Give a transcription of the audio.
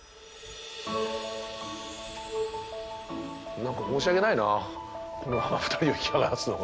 なんか申し訳ないなこのまま２人を引き離すのが。